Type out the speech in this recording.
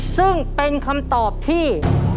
ซึ่งเป็นคำตอบที่